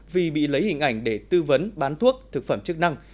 vì bị lấy hình ảnh để tư vấn bán thuốc thực phẩm chức năng